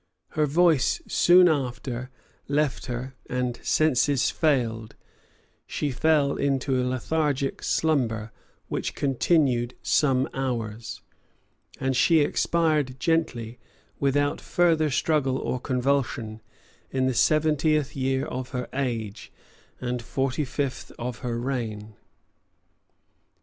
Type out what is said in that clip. Her voice soon after left her and senses failed; she fell into a lethargic slumber, which continued some hours; and she expired gently, without further struggle or convulsion, in the seventieth year of her age, and forty fifth of her reign.